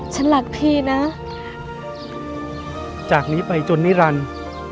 ฉันรักพี่นะจากนี้ไปจนนิรันดิ์